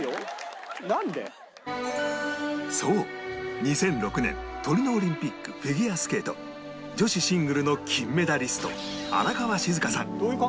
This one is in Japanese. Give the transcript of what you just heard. そう２００６年トリノオリンピックフィギュアスケート女子シングルの金メダリスト荒川静香さん